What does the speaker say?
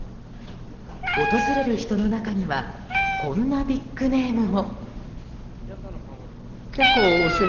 訪れる人の中にはこんなビッグネームも。